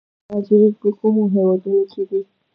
افغان مهاجرین په کومو هیوادونو کې دي؟